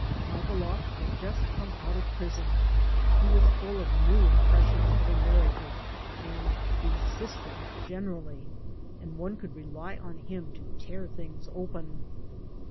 Michailoff had just come out of prison. He was fidl of new impressions of America and "the system" generally, and one coidd rely on him to tear things open.